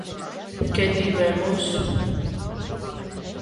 ¿Que tivemos?